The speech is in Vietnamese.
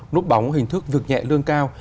nốt bóng hình thức việc nhẹ lương cao